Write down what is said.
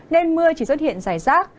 nên mưa chỉ xuất hiện rải rác